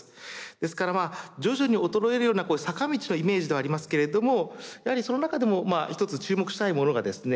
ですからまあ徐々に衰えるような坂道のイメージではありますけれどもやはりその中でもひとつ注目したいものがですね